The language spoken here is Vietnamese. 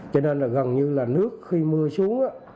cho nên là gần như là nước khi mưa xuống